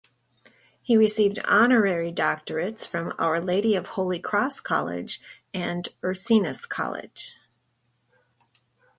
He received honorary doctorates from Our Lady of Holy Cross College and Ursinus College.